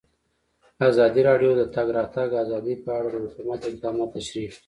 ازادي راډیو د د تګ راتګ ازادي په اړه د حکومت اقدامات تشریح کړي.